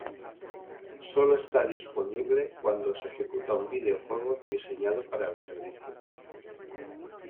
Sólo está disponible cuando se ejecuta un videojuego diseñado para el servicio.